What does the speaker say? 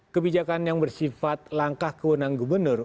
kebijakan yang bersifat langkah kewenang gubernur